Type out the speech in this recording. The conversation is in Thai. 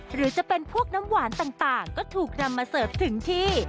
หรือจะเป็นพวกน้ำหวานต่างก็ถูกนำมาเสิร์ฟถึงที่